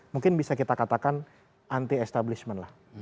mungkin bisa kita katakan anti establishment lah